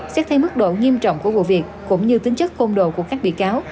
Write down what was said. xét thay mức độ nghiêm trọng của cuộc việc cũng như tính chất khôn đồ của các bị cáo